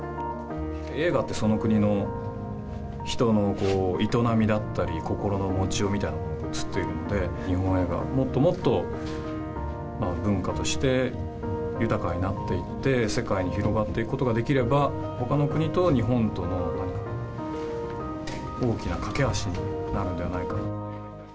映画って、その国の人の営みだったり、心の持ちようみたいなものも映っているので、日本映画、もっともっと文化として豊かになっていって、世界に広がっていくことができれば、ほかの国と日本との大きな懸け橋になるんではと。